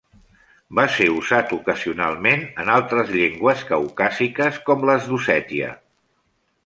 Va ser usat ocasionalment en altres llengües caucàsiques com les d'Ossètia.